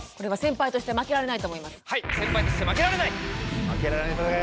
父として負けられない。